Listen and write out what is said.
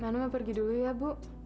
mano mau pergi dulu ya bu